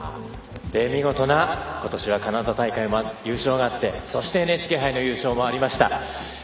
見事な今年はカナダ大会の優勝があってそしてＮＨＫ杯の優勝もありました。